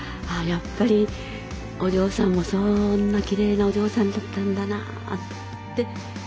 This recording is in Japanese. やっぱりお嬢さんもそんなきれいなお嬢さんだったんだなぁって。